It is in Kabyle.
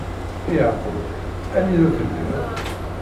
A Yeɛqub! Anida telliḍ?